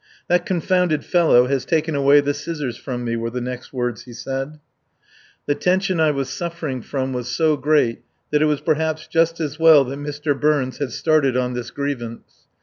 "That confounded fellow has taken away the scissors from me," were the next words he said. The tension I was suffering from was so great that it was perhaps just as well that Mr. Burns had started on his grievance.